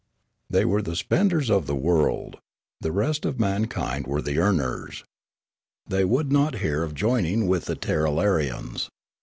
Thej^ were the spenders of the world ; the rest of mankind were the earners. They would not hear of joining with the Tirralarians.